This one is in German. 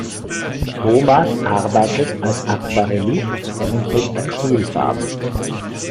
Thomas arbeitet als Aquarellist und mit Acrylfarben.